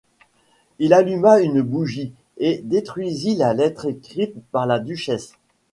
Il alluma une bougie et détruisit la lettre écrite par la duchesse.